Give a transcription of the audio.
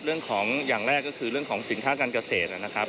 เรื่องของอย่างแรกก็คือเรื่องของสินค้าการเกษตรนะครับ